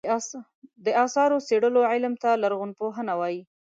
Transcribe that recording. د اثارو څېړلو علم ته لرغونپوهنه وایې.